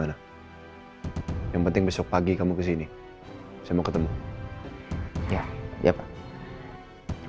ya ampun mas dendi nyatik nyatik